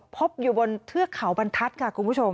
พบอยู่บนเทือกเขาบรรทัศน์ค่ะคุณผู้ชม